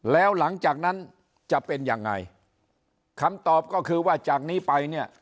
แล้วหลังจากนั้นจะเป็นยังไงคำตอบก็คือว่าจากนี้ไปเนี่ย